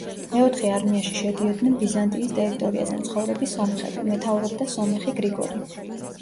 მეოთხე არმიაში შედიოდნენ ბიზანტიის ტერიტორიაზე მცხოვრები სომხები, მეთაურობდა სომეხი გრიგორი.